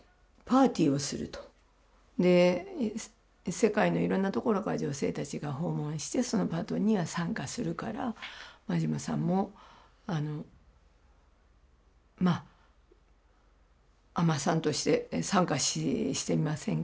世界のいろんなところから女性たちが訪問してそのパーティーには参加するから馬島さんも尼さんとして参加してみませんか？